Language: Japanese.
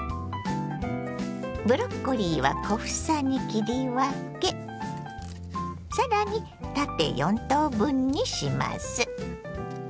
ブロッコリーは小房に切り分け更に縦４等分にします。